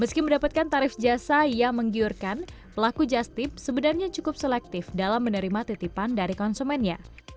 meski mendapatkan tarif jasa yang menggiurkan pelaku just tip sebenarnya cukup selektif dalam menerima titipan dari konsumennya